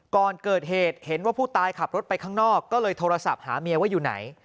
ก่อนเกิดเหตุเห็นว่าผู้ตายขับรถไปข้างนอกก็เลยโทรศัพท์หาเมียว่าอยู่ไหน